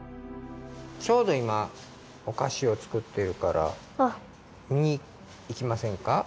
ちょうどいまおかしを作っているからみにいきませんか？